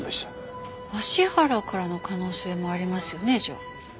芦原からの可能性もありますよねじゃあ。